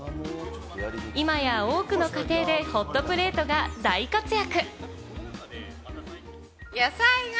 今や、多くの家庭でホットプレートが大活躍！